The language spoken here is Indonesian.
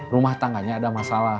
rumah tangganya ada masalah